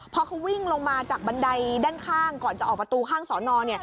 พอเขาวิ่งลงมาจากบันไดด้านข้างก่อนจะออกประตูข้างสอนอ